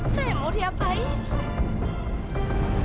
saya mau diapain